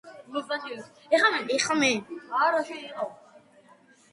არქიტრავული შესასვლელი მეორე სართულის სამხრეთ კედელშია მოთავსებული.